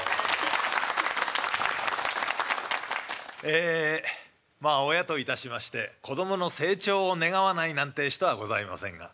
ええまあ親といたしまして子供の成長を願わないなんて人はございませんが。